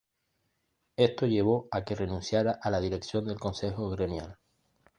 Esto llevó a que renunciara a la dirección del Consejo Gremial.